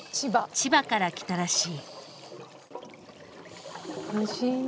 千葉から来たらしい。